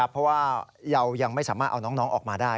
เพราะว่าเรายังไม่สามารถเอาน้องออกมาได้